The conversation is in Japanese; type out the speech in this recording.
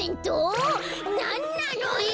なんなのよ！